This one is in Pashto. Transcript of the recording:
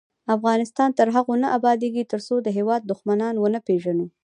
افغانستان تر هغو نه ابادیږي، ترڅو د هیواد دښمنان ونه پیژنو.